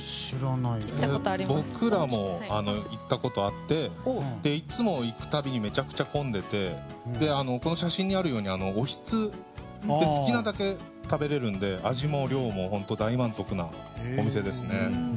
僕らも行ったことあっていつも行くたびにめちゃくちゃ混んでてこの写真にあるようにおひつで好きなだけ食べれるので、味も量も本当大満足なお店ですね。